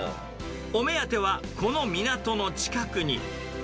お目当てはこの港の近くに。